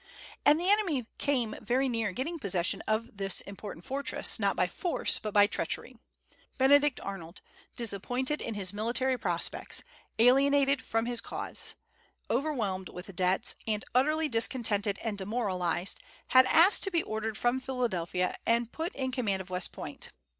And the enemy came very near getting possession of this important fortress, not by force, but by treachery. Benedict Arnold, disappointed in his military prospects, alienated from his cause, overwhelmed with debts, and utterly discontented and demoralized, had asked to be ordered from Philadelphia and put in command of West Point.